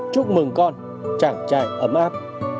chúc mừng con chàng trai ấm áp